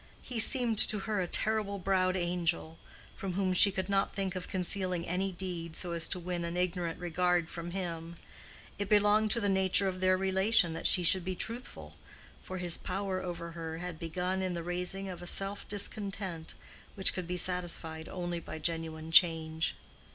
He seemed to her a terrible browed angel, from whom she could not think of concealing any deed so as to win an ignorant regard from him: it belonged to the nature of their relation that she should be truthful, for his power over her had begun in the raising of a self discontent which could be satisfied only by genuine change.